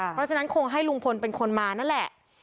เพราะฉะนั้นคงให้ลุงพลเป็นคนมานั่นแหละ